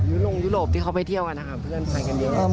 ยุลงยุโรปที่เขาไปเที่ยวกันนะคะเพื่อนไปกันเยอะ